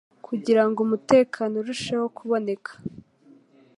kugira ngo umutekano urusheho kuboneka.